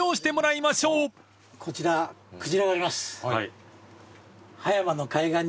こちらクジラがいます。